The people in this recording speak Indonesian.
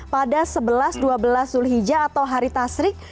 pada sebelas dua belas zulhijjah atau hari tasrik